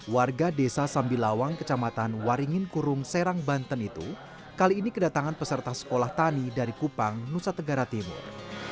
warga desa sambilawang kecamatan waringin kurung serang banten itu kali ini kedatangan peserta sekolah tani dari kupang nusa tenggara timur